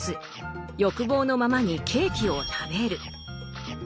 欲望のままにケーキを食べる。